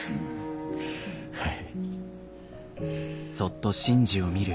はい。